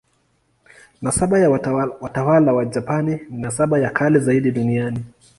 Nasaba ya watawala wa Japani ni nasaba ya kale zaidi duniani.